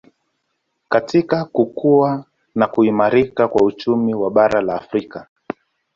katika kukua na kuimarika kwa uchumi wa bara la Afrika